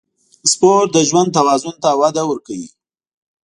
سپورت د ژوند توازن ته وده ورکوي.